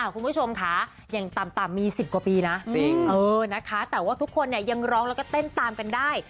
คุณผู้ชมค่ะอย่างต่ำมี๑๐กว่าปีนะแต่ว่าทุกคนเนี่ยยังร้องแล้วก็เต้นตามกันได้